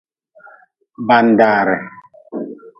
Bandare.